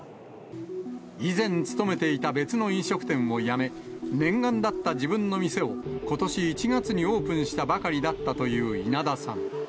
以前勤めていた別の飲食店を辞め、念願だった自分の店を、ことし１月にオープンしたばかりだったという稲田さん。